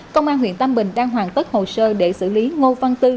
công an huyện tam bình đang hoàn tất hồ sơ để xử lý ngô văn tư